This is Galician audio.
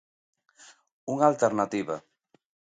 Unha alternativa.